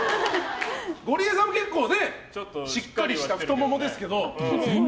ゴリエさんも結構しっかりした太ももですけど。